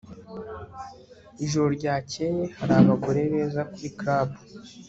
ijoro ryakeye hari abagore beza kuri club